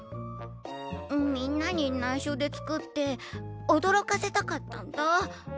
みんなにないしょでつくっておどろかせたかったんだ。